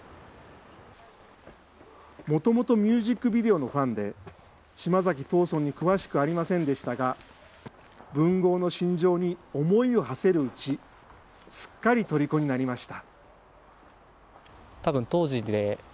もともとミュージックビデオのファンで、島崎藤村に詳しくありませんでしたが、文豪の心情に思いをはせるうち、すっかりとりこになりました。